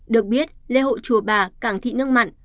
được biết lê hội chùa bà cảng thị nước mặn